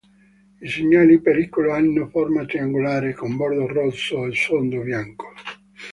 I segnali pericolo hanno forma triangolare con bordo rosso e sfondo bianco.